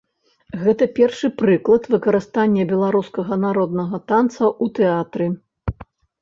Гэта першы прыклад выкарыстання беларускага народнага танца ў тэатры.